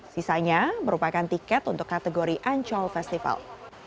sisanya merupakan tiket untuk kategori ancol festival